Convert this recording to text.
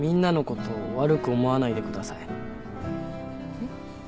えっ？